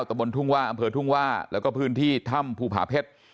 ตะบนทุ่งว่าอำเภอทุ่งว่าแล้วก็พื้นที่ถ้ำภูผาเพชร